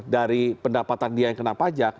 dari pendapatan dia yang kena pajak